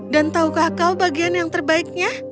dan tahukah kau bagian yang terbaiknya